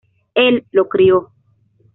Él lo crio.